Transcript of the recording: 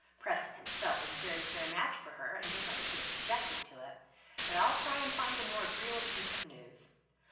Preston himself was a very fair match for her, and nobody could have objected to it. But I'll try and find a more agreeable piece of news.